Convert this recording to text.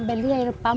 beli air pump